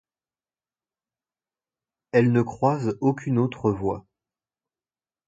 Elle ne croise aucune autre voie.